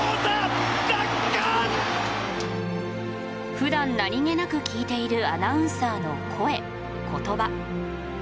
ふだん何気なく聞いているアナウンサーの「声」「言葉」。